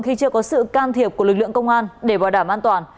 khi chưa có sự can thiệp của lực lượng công an để bảo đảm an toàn